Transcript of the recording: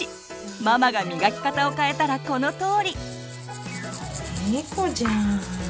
ママがみがき方を変えたらこのとおり。